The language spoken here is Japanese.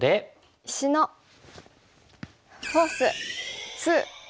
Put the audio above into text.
「石のフォース２」。